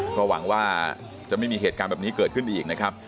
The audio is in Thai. ก็หวังว่าจะไม่มีเหตุการณ์แบบนี้เกิดขึ้นอีกนะครับ